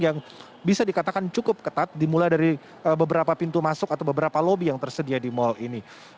yang bisa dikatakan cukup ketat dimulai dari beberapa pintu masuk atau beberapa lobby yang tersedia di mal ini